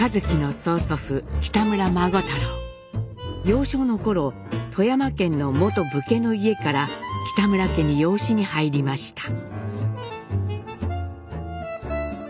幼少の頃富山県の元武家の家から北村家に養子に入りました。